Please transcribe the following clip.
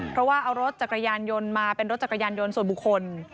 เพราะว่าเอารถจักรยานยนต์มาเป็นรถจักรยานยนต์ส่วนบุคคล